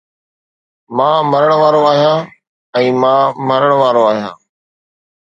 مان مرڻ وارو آهيان ۽ مان مرڻ وارو آهيان